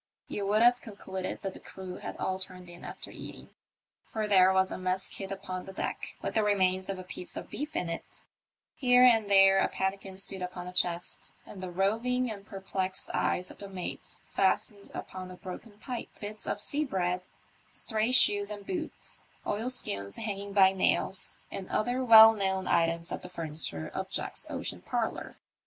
You would have concluded that the crew had all turned in after eating ; for there was a mess kid upon the deck with the remains of a piece of beef in it ; here and there a pannikin stood upon a chest, and the roving and perplexed eyes of the mate fastened upon a broken pipe, bits of sea bread, stray shoes and boots, oilskins hanging by nails, and other well known items of the furniture of Jack's ocean parlour.